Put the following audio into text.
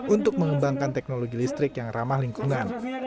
untuk mengembangkan teknologi listrik yang ramah lingkungan